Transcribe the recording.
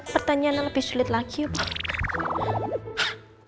berapa kan nilai rata rata dua orang tersebut